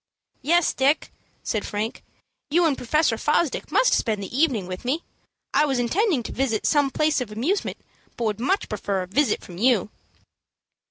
"Yes, Dick," said Frank, "you and Professor Fosdick must spend the evening with me. I was intending to visit some place of amusement, but would much prefer a visit from you."